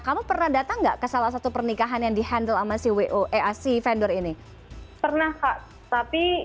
kamu pernah datang nggak ke salah satu pernikahan yang di handle sama si vendor ini pernah kak tapi